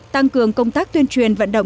tăng cường công tác tuyên truyền vận động